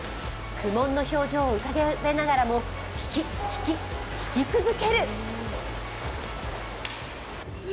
苦悶の表情を浮かべながらも引き、引き、引き続ける。